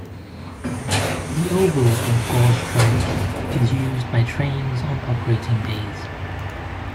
The oval of gauge track is used by trains on operating days.